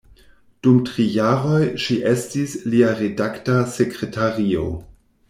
Dum tri jaroj ŝi estis lia redakta sekretario.